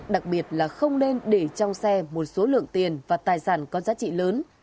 đặc biệt là không nên để trong xe một số lượng tiền và tài sản có giá trị lớn